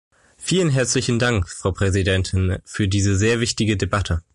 Vielen herzlichen Dank, Frau Präsidentin, für diese sehr wichtige Debatte.